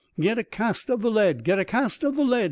27 Get a cast of the lead ! get a cast of the lead